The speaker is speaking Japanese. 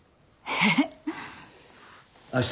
えっ？